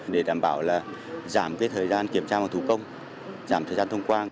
để đảm bảo giảm thời gian kiểm tra bằng thủ công giảm thời gian thông qua